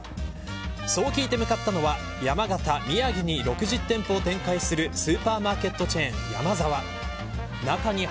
そう聞いて向かったのは山形宮城に６０店舗を展開するスーパーマーケットチェーンヤマザワ。